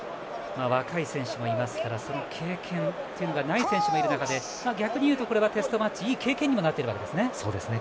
若い選手もいますから経験というのがない選手もいる中で逆に言うとこれはテストマッチでいい経験にもなっているわけですね。